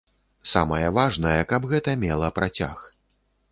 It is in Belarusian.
Самае важнае, каб гэта мела працяг.